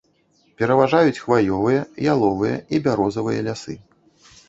Пераважаюць хваёвыя, яловыя і бярозавыя лясы.